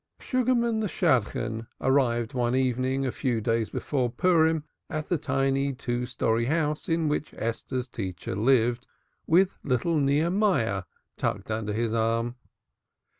Sugarman the Shadchan arrived one evening a few days before Purim at the tiny two storied house in which Esther's teacher lived, with little Nehemiah tucked under his arm.